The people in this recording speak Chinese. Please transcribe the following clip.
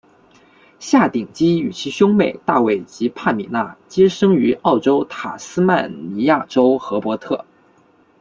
夏鼎基与其兄妹大卫及帕米娜皆生于澳洲塔斯曼尼亚州荷伯特。